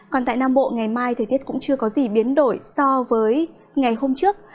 còn tại nam bộ ngày mai thời tiết cũng chưa có gì biến đổi so với ngày hôm trước